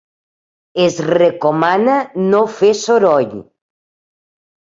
Es recomana no fer soroll.